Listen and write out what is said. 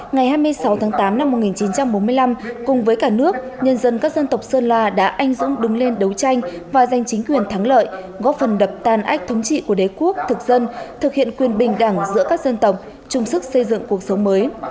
ngày hai mươi sáu tháng tám năm một nghìn chín trăm bốn mươi năm cùng với cả nước nhân dân các dân tộc sơn la đã anh dũng đứng lên đấu tranh và giành chính quyền thắng lợi góp phần đập tàn ách thống trị của đế quốc thực dân thực hiện quyền bình đẳng giữa các dân tộc chung sức xây dựng cuộc sống mới